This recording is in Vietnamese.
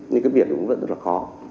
nhưng cái việc cũng vẫn rất là khó